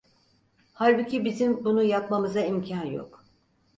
Halbuki bizim bunu yapmamıza imkân yok.